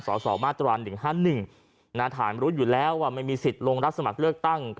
สสมาตรา๑๕๑ฐานรู้อยู่แล้วว่าไม่มีสิทธิ์ลงรับสมัครเลือกตั้ง